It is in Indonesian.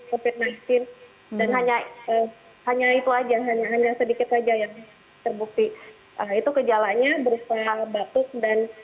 ke fitnahin dan hanya hanya itu aja hanya sedikit saja yang terbukti itu kejalanya berusaha batuk dan